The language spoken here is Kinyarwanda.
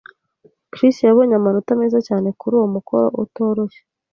Chris yabonye amanota meza cyane kuri uwo mukoro utoroshye.